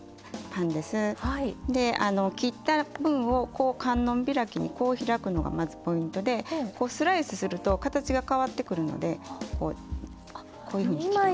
であの切った分を観音開きにこう開くのがまずポイントでこうスライスすると形が変わってくるのでこうこういうふうにひきます。